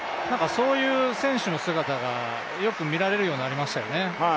そういう選手の姿がよく見られるようになりましたよね。